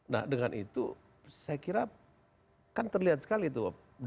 nah dengan itu saya kira kan terlihat sekali tuh